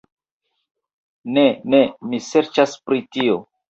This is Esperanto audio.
Ne, ne, mi ŝercas pri tio